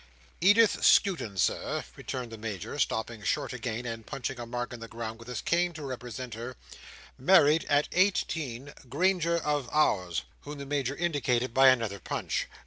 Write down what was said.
"Edith Skewton, Sir," returned the Major, stopping short again, and punching a mark in the ground with his cane, to represent her, "married (at eighteen) Granger of Ours;" whom the Major indicated by another punch.